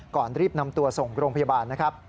ก่อนรีบนำตัวส่งโรงพยาบาลนะครับ